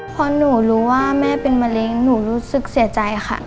พอหนูรู้ว่าแม่เป็นมะเร็งหนูรู้สึกเสียใจค่ะ